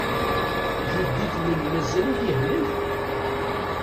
Jeddi-twen mazal-it yehlek?